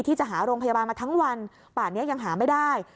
ที่จะหาโรงพยาบาลมาทั้งวันป่านนี้ยังหาไม่ได้